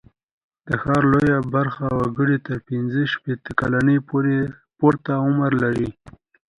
د ښار لویه برخه وګړي تر پینځه شپېته کلنۍ پورته عمر لري.